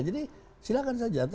jadi silahkan saja